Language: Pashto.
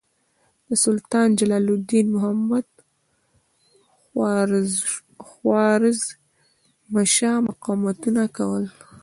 سلطان جلال الدین محمد خوارزمشاه مقاومتونه کول.